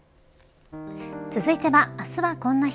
続いてはあすはこんな日。